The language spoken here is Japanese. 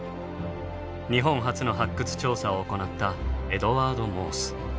日本初の発掘調査を行ったエドワード・モース。